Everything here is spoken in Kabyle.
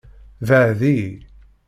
Beɛɛed-iyi!